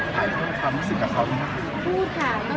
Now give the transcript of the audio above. นายเกิดกับคนที่มีหายความรู้สึกกับเขานี่หรือเปล่า